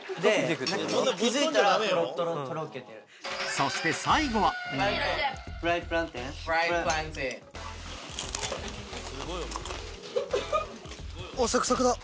そして最後はサクサクだ！